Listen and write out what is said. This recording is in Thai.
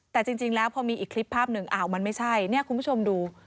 แต่จริงแล้วพอมีอีกคลิปภาพหนึ่งอ้าวมันไม่ใช่เนี่ยคุณผู้ชมดู